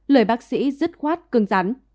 lời bác sĩ dứt khoát cưng rắn